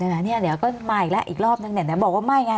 เดี๋ยวก็มาอีกแล้วอีกรอบหนึ่งแต่บอกว่าไม่ไง